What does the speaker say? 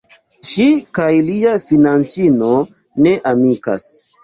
Ŝi kaj lia fianĉino ne amikas.